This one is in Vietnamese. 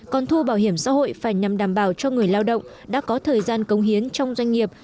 còn thu bảo hiểm xã hội phải nhằm đảm bảo cho người lao động đã có thời gian công hiến trong doanh nghiệp